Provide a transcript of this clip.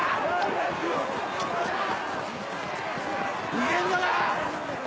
逃げんのか？